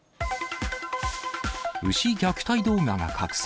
牛虐待動画が拡散。